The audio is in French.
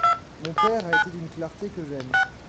Mon père a été d’une clarté que j’aime.